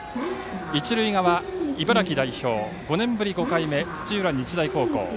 一塁側、茨城代表５年ぶり５回目、土浦日大高校。